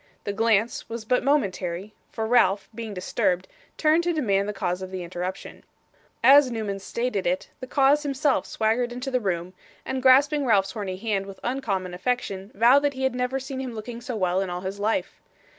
The glance was but momentary, for Ralph, being disturbed, turned to demand the cause of the interruption. As Newman stated it, the cause himself swaggered into the room, and grasping Ralph's horny hand with uncommon affection, vowed that he had never seen him looking so well in all his life.